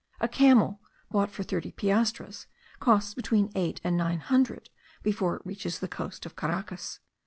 A camel, bought for thirty piastres, costs between eight and nine hundred before it reaches the coast of Caracas.